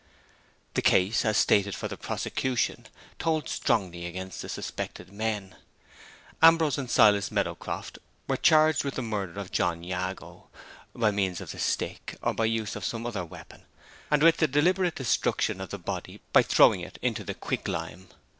The case, as stated for the prosecution, told strongly against the suspected men. Ambrose and Silas Meadowcroft were charged with the murder of John Jago (by means of the stick or by use of some other weapon), and with the deliberate destruction of the body by throwing it into the quicklime.